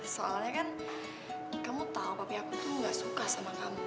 soalnya kan kamu tahu tapi aku tuh gak suka sama kamu